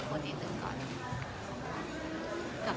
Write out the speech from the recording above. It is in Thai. ไม่วันนี้ก็ผึ้งกินเช้า